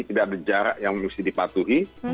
tidak ada jarak yang mesti dipatuhi